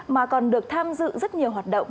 mà còn được tham dự rất nhiều hoạt động